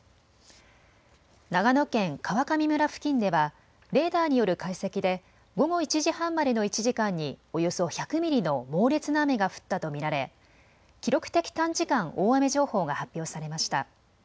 長野県川上村付近ではレーダーによる解析で午後１時半までの１時間におよそ１００ミリの猛烈な雨が降ったと見られ記録的短時間大雨情報が発表されました。